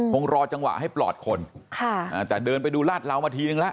ตรงรอจังหวะให้ปลอดคนแต่เดินไปดูลาดล้ำอีกนิดนึงละ